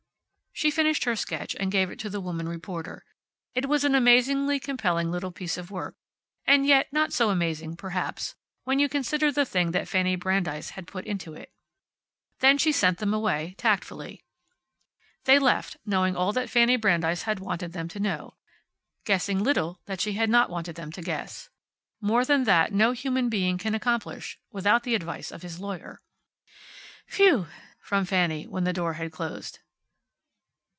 She finished her sketch and gave it to the woman reporter. It was an amazingly compelling little piece of work and yet, not so amazing, perhaps, when you consider the thing that Fanny Brandeis had put into it. Then she sent them away, tactfully. They left, knowing all that Fanny Brandeis had wanted them to know; guessing little that she had not wanted them to guess. More than that no human being can accomplish, without the advice of his lawyer. "Whew!" from Fanny, when the door had closed.